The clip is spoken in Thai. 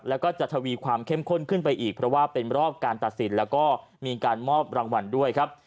แล้วก็จะทวีความเข้มข้นขึ้นไปอีกเพราะว่าเป็นรอบการตัดสินแล้วก็มีการมอบรางวัลด้วยครับ